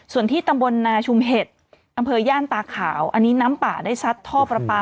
ส่วนที่ตำบลนาชุมเห็ดอำเภอย่านตาขาวอันนี้น้ำป่าได้ซัดท่อประปา